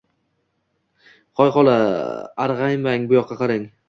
Hoy, xola, ag’raymang, buyoqqa qarang